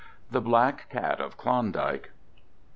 THE BLACK CAT OF KLONDIKE.